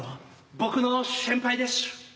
僕の先輩でしゅ。